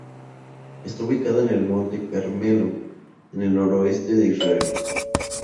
Está ubicada en el Monte Carmelo, en el noroeste de Israel.